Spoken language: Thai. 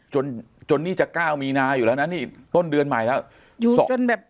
จนจนนี่จะเก้ามีนาอยู่แล้วนะนี่ต้นเดือนใหม่แล้วอยู่จนแบบ